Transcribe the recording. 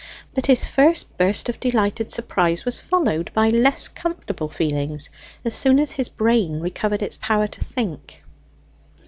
But his first burst of delighted surprise was followed by less comfortable feelings, as soon as his brain recovered its power to think.